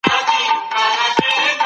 دولت مستقیم ډول تولید نسوای لوړولای.